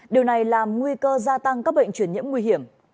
điều này làm nguy cơ gia tăng các bệnh truyền nhiễm nguy hiểm